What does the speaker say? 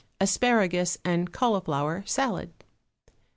=Asparagus and Cauliflower Salad.